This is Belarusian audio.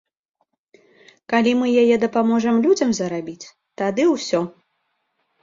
Калі мы яе дапаможам людзям зарабіць, тады ўсё!